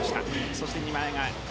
そして２枚替え。